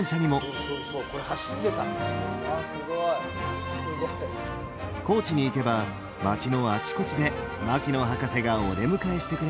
高知に行けば街のあちこちで牧野博士がお出迎えしてくれます。